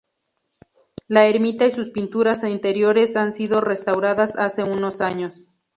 La ermita y sus pinturas interiores han sido restauradas hace unos años.